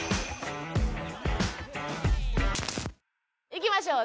いきましょう。